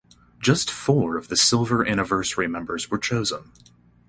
Just four of the silver anniversary members were chosen.